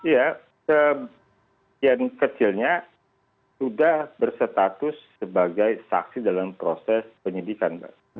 ya sebagian kecilnya sudah berstatus sebagai saksi dalam proses penyidikan mbak